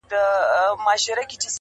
خلګ ياران نه په لسټوني کي ماران ساتي,